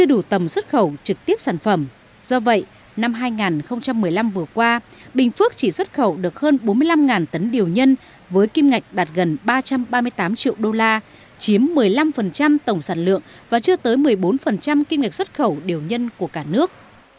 do vậy năm hai nghìn một mươi năm vừa qua bình phước chỉ xuất khẩu được hơn bốn mươi năm tấn điều nhân với kim ngạch xuất khẩu điều nhân của cả nước